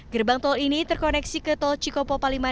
gerbang tol ini terkoneksi ke tol cikopo palimanan